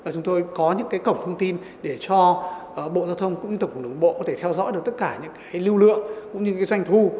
chúng tôi có những cổng thông tin để cho bộ giao thông cũng như tổng cục đồng bộ có thể theo dõi được tất cả những lưu lượng cũng như doanh thu